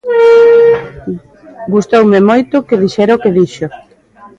Gustoume moito que dixera o que dixo.